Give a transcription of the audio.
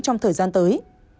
trong thời gian tới